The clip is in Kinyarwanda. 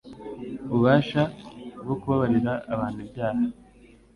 ububasha bwo kubabarira abantu ibyaha."